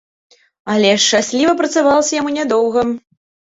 Але шчасліва працавалася яму нядоўга.